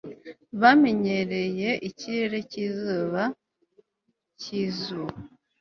bamenyereye ikirere cyizuba cyizuba